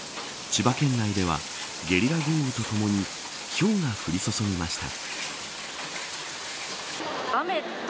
千葉県内ではゲリラ豪雨とともにひょうが降り注ぎました。